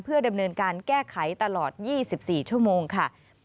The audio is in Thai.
ดำเนินการแก้ไขตลอด๒๔ชั่วโมงค่ะ